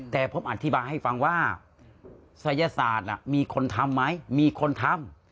แต่ผมอธิบายให้ฟังว่าศัยศาสตร์มีคนทำไหมมีคนทำ